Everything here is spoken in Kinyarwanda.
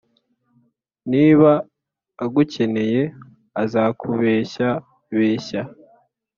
Niba agukeneye azakubeshyabeshya,